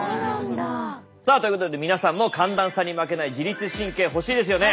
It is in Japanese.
さあということで皆さんも寒暖差に負けない自律神経欲しいですよね？